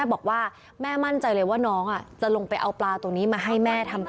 อายุ๖ขวบซึ่งตอนนั้นเนี่ยเป็นพี่ชายมารอเอาน้องชายไปอยู่ด้วยหรือเปล่าเพราะว่าสองคนนี้เขารักกันมาก